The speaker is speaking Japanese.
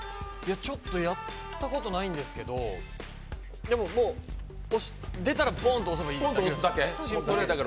ちょっとやったことないんですけど、でも、出たら、ポンと押せばいいんですよね。